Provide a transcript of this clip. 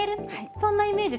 そんなイメージ。